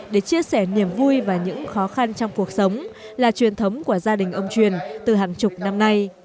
để chia sẻ niềm vui và những khó khăn trong cuộc sống là truyền thống của gia đình ông truyền từ hàng chục năm nay